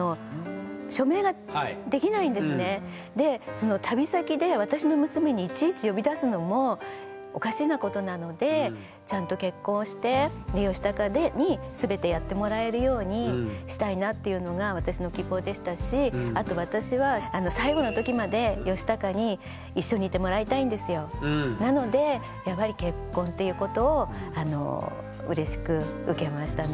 その旅先で私の娘にいちいち呼び出すのもおかしなことなのでちゃんと結婚してヨシタカに全てやってもらえるようにしたいなというのが私の希望でしたしあと私はなのでやっぱり結婚っていうことをあのうれしく受けましたね。